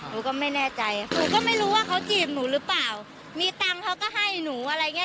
หนูก็ไม่แน่ใจหนูก็ไม่รู้ว่าเขาจีบหนูหรือเปล่ามีตังค์เขาก็ให้หนูอะไรอย่างเงี้